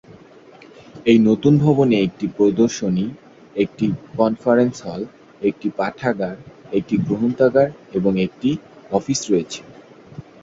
এই নতুন ভবনে স্থায়ী প্রদর্শনী, একটি কনফারেন্স হল, একটি পরীক্ষাগার, একটি গ্রন্থাগার এবং একটি অফিস রয়েছে।